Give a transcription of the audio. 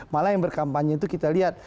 malah yang berkampanye itu kita lihat